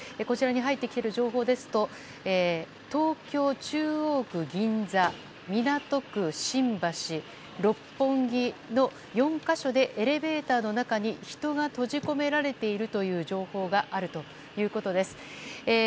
こちらに入ってきている情報ですと東京・中央区銀座、港区新橋六本木の４か所でエレベーターの中に人が閉じ込められているという情報があるということです。